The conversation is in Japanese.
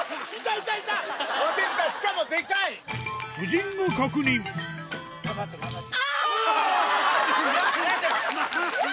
夫人が確認頑張って頑張って！